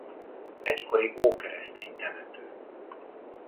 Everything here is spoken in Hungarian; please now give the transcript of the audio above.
Egykori ókeresztény temető.